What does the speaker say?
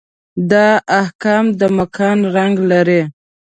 دا احکام د مکان رنګ لري.